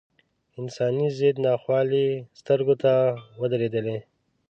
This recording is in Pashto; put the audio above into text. انساني ضد ناخوالې سترګو ته ودرېدلې.